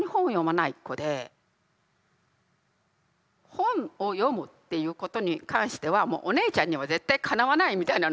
本を読むっていうことに関してはもうお姉ちゃんには絶対かなわないみたいなのがあって。